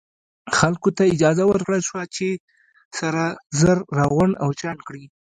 خلکو ته اجازه ورکړل شوه چې سره زر راغونډ او چاڼ کړي.